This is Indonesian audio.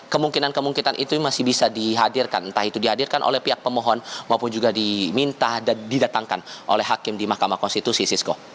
kemungkinan kemungkinan itu masih bisa dihadirkan entah itu dihadirkan oleh pihak pemohon maupun juga diminta dan didatangkan oleh hakim di mahkamah konstitusi sisko